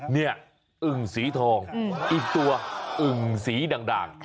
นี่อึ่งสีทองอีกตัวอึ่งสีด่าง